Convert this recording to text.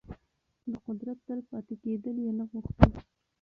د قدرت تل پاتې کېدل يې نه غوښتل.